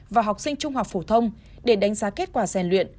và học sinh trung học phổ thông để đánh giá kết quả rèn luyện